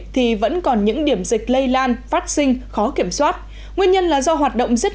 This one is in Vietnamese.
thì vẫn còn những điểm dịch lây lan phát sinh khó kiểm soát nguyên nhân là do hoạt động giết